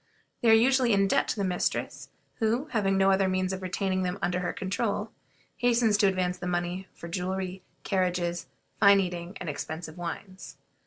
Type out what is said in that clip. They are usually in debt to the mistress, who, having no other means of retaining them under her control, hastens to advance them money for jewelry, carriages, fine eating, and expensive wines.